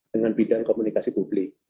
dengan bidang komunikasi publik